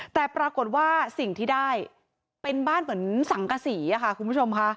แต่ปรากฏว่าสิ่งที่ได้เป็นบ้านเหมือนสังกษีค่ะคุณผู้ชมค่ะ